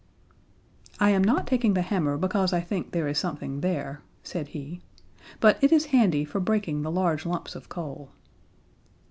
"I am not taking the hammer because I think there is something there," said he, "but it is handy for breaking the large lumps of coal."